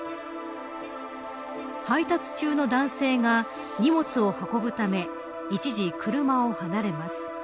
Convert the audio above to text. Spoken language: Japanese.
配達中の男性が荷物を運ぶため、一時車を離れます。